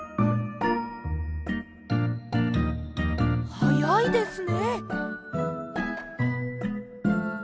はやいですね。